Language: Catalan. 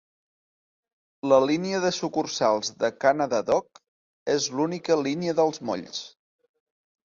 La línia de sucursals de Canada Dock és l'única línia dels molls.